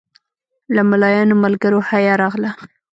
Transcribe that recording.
له ملایانو ملګرو حیا راغله.